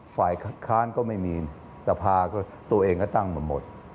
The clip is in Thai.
ฝ่ายค้านก็ไม่มีสภาก็ตัวเองก็ตั้งมาหมด